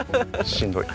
しんどい。